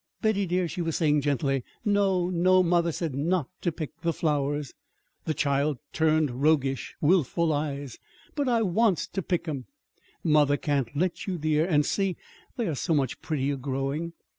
"Betty, dear," she was saying gently, "no, no! Mother said not to pick the flowers." The child turned roguish, willful eyes. "But I wants to pick 'em." "Mother can't let you, dear. And see, they are so much prettier growing!"